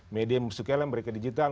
media yang suka adalah mereka digital